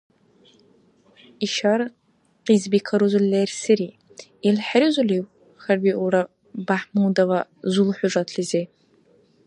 — Ишар Къизбика рузули лерсири, ил хӀерузулив? — хьарбиулра БяхӀмудова ЗулхӀужатлизи.